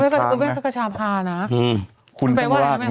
เป็นการกระตุ้นการไหลเวียนของเลือด